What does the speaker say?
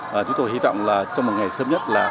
và chúng tôi hy vọng là trong một ngày sớm nhất là